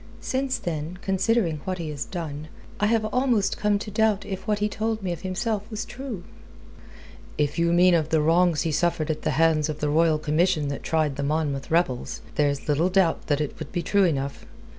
Since then, considering what he has done, I have almost come to doubt if what he told me of himself was true." "If you mean of the wrongs he suffered at the hands of the Royal Commission that tried the Monmouth rebels, there's little doubt that it would be true enough.